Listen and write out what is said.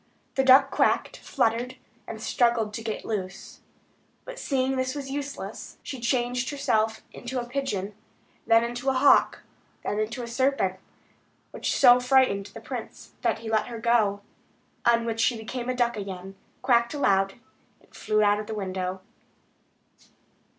The duck quacked, fluttered, and struggled to get loose. But seeing this was useless she changed herself into a pigeon, then into a hawk, and then into a serpent, which so frightened the prince, that he let her go; on which she became a duck again, quacked aloud, and flew out of the window.